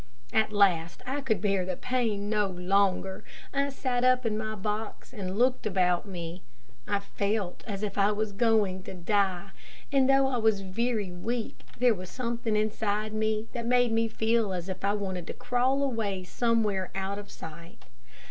At last I could bear the pain no longer, I sat up in my box and looked about me. I felt as if I was going to die, and, though I was very weak, there was something inside me that made me feel as if I wanted to crawl away somewhere out of sight.